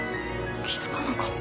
気付かなかった。